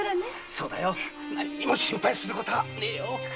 そうだよ何も心配することはねえよ！